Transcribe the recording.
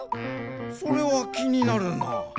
それはきになるな。